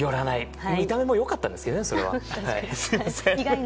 見た目も良かったんですけどね